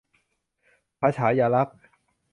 พระฉายาลักษณ์